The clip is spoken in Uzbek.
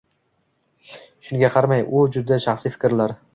Shunga qaramay, bu juda shaxsiy fikrlar